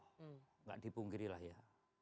enggak dipungkiri lah ya